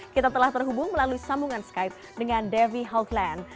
kita telah terhubung melalui sambungan skype dengan devi hougland